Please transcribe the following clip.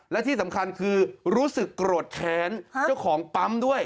และที่สำคัญคือรู้สึกโกรธแค้นเจ้าของปั๊มด้วย